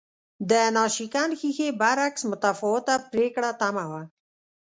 د ناشکن ښیښې برعکس متفاوته پرېکړه تمه وه